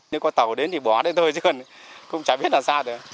nếu có tàu đến thì bỏ đây thôi chứ không chả biết là sao được